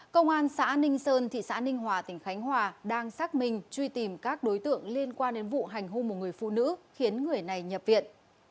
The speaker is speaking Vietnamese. công an xã ninh sơn thị xã ninh hòa tỉnh khánh hòa đang xác minh truy tìm các đối tượng liên quan đến vụ hành hôn một người phụ nữ khiến người này nhập viện